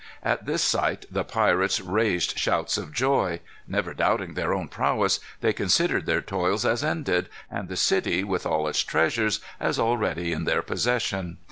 At this sight the pirates raised shouts of joy. Never doubting their own prowess, they considered their toils as ended, and the city, with all its treasures, as already in their possession.